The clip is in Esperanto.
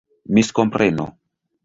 miskompreno